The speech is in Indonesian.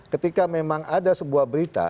ketika memang ada sebuah berita